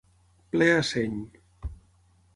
Ple a seny.